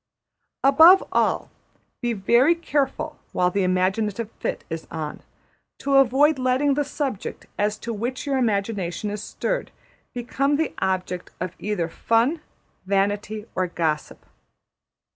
Above all, be very careful, while the imaginative fit is on, to avoid letting the subject as to which your imagination is stirred become the object of either fun, vanity, or gossip.